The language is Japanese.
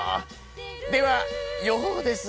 では予報です。